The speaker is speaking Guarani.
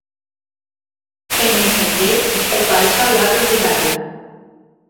Henyhẽte opaichagua yvyrágui.